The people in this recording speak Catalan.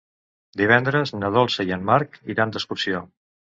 Divendres na Dolça i en Marc iran d'excursió.